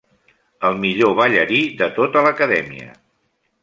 El millor ballarí de tota l'acadèmia.